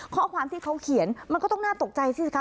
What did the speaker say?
ข้อความที่เขาเขียนมันก็ต้องน่าตกใจสิคะ